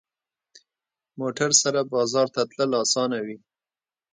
موټر سره بازار ته تلل اسانه وي.